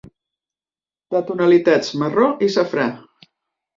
De tonalitats marró i safrà.